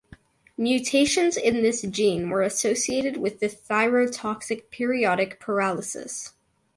Mutations in this gene were associated with the thyrotoxic periodic paralysis.